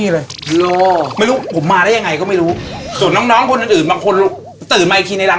ใช่ครับด้วยที่แกเป็นยังงานอาทิตย์นึง